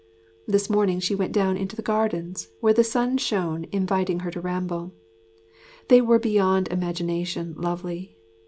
This morning she went down into the gardens, where the sun shone inviting her to ramble. They were beyond imagination lovely.